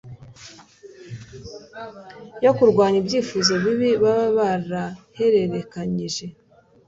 yo kurwanya ibyifuzo bibi baba barahererekanyije